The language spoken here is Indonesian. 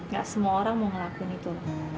gak semua orang mau ngelakuin itu